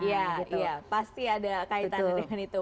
iya pasti ada kaitannya dengan itu